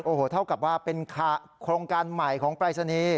โอ้โหเท่ากับว่าเป็นโครงการใหม่ของปรายศนีย์